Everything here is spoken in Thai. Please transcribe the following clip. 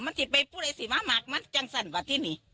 มันจะไปปุ่นไอ้สิมามักมันจังสั่นแบบนี้